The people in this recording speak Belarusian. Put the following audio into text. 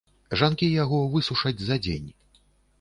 Жанкі яго высушаць за дзень.